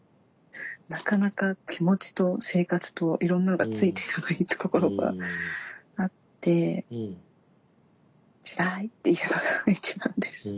なかなか気持ちと生活といろんなのがついていかないってところがあってつらいっていうのが一番です。